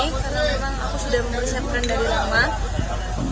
karena emang aku sudah mempersiapkan dari lama